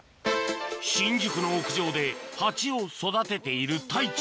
新宿の屋上で蜂を育てている太一